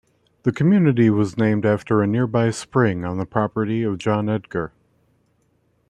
The community was named after a nearby spring on the property of John Edgar.